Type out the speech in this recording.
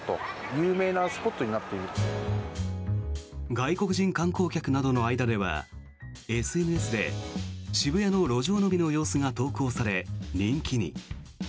外国人観光客などの間ではＳＮＳで渋谷の路上飲みの様子が投稿され人気に。